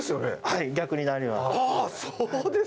はい逆になります。